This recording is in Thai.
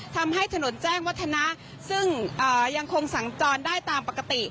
ทำให้ถนนแจ้งวัฒนะซึ่งยังคงสั่งจรได้ตามปกติ